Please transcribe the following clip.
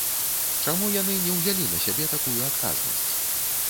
Чаму яны не ўзялі на сябе такую адказнасць?